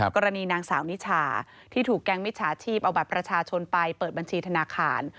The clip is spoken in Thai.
กรณีนางสาวนิชาที่ถูกแก๊งมิจฉาชีพเอาบัตรประชาชนไปเปิดบัญชีธนาคาร